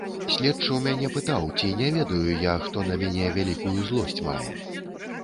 Следчы ў мяне пытаў, ці не ведаю я, хто на мяне вялікую злосць мае.